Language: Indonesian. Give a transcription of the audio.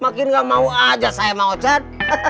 makin gak mau aja saya mang ochan